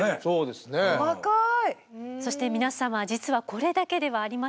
そして皆様実はこれだけではありません。